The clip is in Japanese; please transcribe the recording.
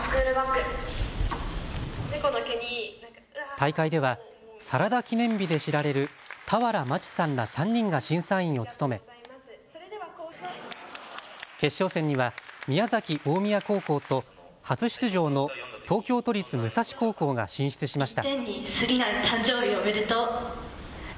大会ではサラダ記念日で知られる俵万智さんら３人が審査員を務め決勝戦には宮崎大宮高校と初出場の東京都立武蔵高校が進出しました。